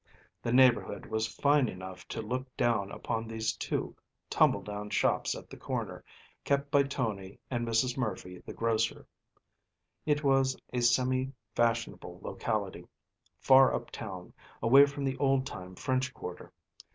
The neighbourhood was fine enough to look down upon these two tumble down shops at the corner, kept by Tony and Mrs. Murphy, the grocer. It was a semi fashionable locality, far up town, away from the old time French quarter.